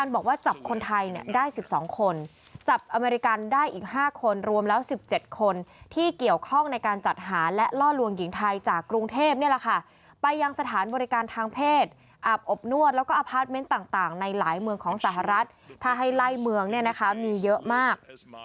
บอกว่าจับคนไทยเนี่ยได้๑๒คนจับอเมริกันได้อีก๕คนรวมแล้ว๑๗คนที่เกี่ยวข้องในการจัดหาและล่อลวงหญิงไทยจากกรุงเทพนี่แหละค่ะไปยังสถานบริการทางเพศอาบอบนวดแล้วก็อพาร์ทเมนต์ต่างในหลายเมืองของสหรัฐถ้าให้ไล่เมืองเนี่ยนะคะมีเยอะมาก